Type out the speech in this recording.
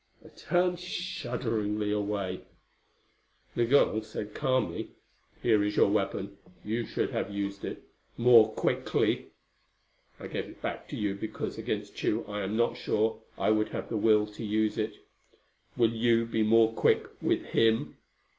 I turned shudderingly away. Migul said calmly, "Here is your weapon. You should have used it more quickly. I give it back to you because against Tugh I am not sure I would have the will to use it. Will you be more quick with him?"